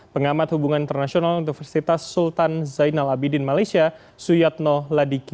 pengamat hubungan internasional universitas sultan zainal abidin malaysia suyatno ladiki